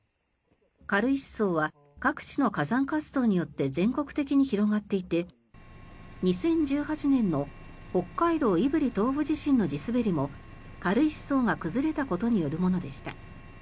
軽石層は各地の火山活動によって全国的に広がっていて２０１８年の北海道胆振東部地震の地滑りも軽石層が崩れたことによるものでした。